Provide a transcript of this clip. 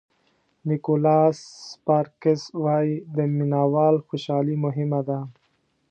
نیکولاس سپارکز وایي د مینه وال خوشالي مهمه ده.